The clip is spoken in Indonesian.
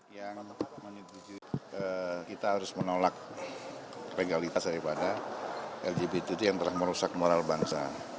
yang kita harus menolak legalitas daripada lgbt yang telah merusak moral bangsa